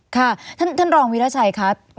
ค่ะท่านรองวิราชัยค่ะ